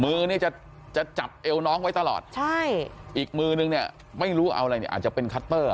มือเนี่ยจะจะจับเอวน้องไว้ตลอดใช่อีกมือนึงเนี่ยไม่รู้เอาอะไรเนี่ยอาจจะเป็นคัตเตอร์